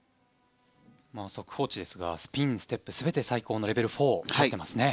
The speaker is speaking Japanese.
速報値ですがスピン、ステップ全て最高のレベル４を取っていますね。